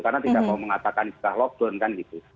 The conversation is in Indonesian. karena tidak mau mengatakan istilah lockdown kan gitu